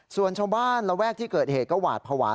ส่วนชาวบ้านระแวกที่เกิดเหตุก็หวาดภาวะ